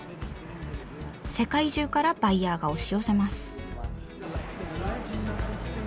世界中からバイヤーが押し寄せます。